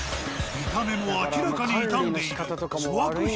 見た目も明らかに傷んでいる。